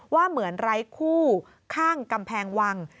ว่าเหมือนไร้คู่ข้างกำแพงวัง